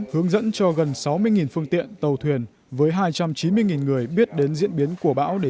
hướng dẫn cho gần sáu mươi phương tiện tàu thuyền với hai trăm chín mươi người biết đến diễn biến của bão để